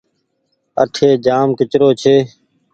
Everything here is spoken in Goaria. اٺي جآم ڪچرو ڇي۔